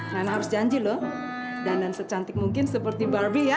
nana harus janji loh dan secantik mungkin seperti barbie ya